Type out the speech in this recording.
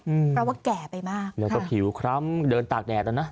อืมเพราะว่าแก่ไปมากแล้วก็ผิวคล้ำเดินตากแดดอ่ะนะ